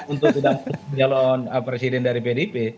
untuk tidak menjalon presiden dari pdp